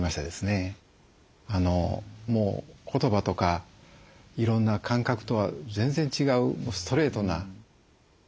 もう言葉とかいろんな感覚とは全然違うストレートなおいしさなんでしょうね